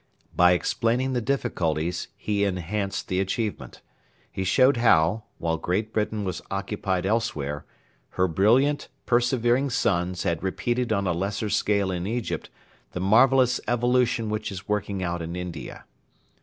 By explaining the difficulties he enhanced the achievement. He showed how, while Great Britain was occupied elsewhere, her brilliant, persevering sons had repeated on a lesser scale in Egypt the marvellous evolution which is working out in India.